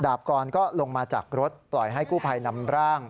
กรก็ลงมาจากรถปล่อยให้กู้ภัยนำร่าง